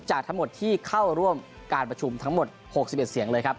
จากทั้งหมดที่เข้าร่วมการประชุมทั้งหมด๖๑เสียงเลยครับ